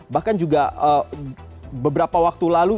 bahkan juga beberapa waktu lalu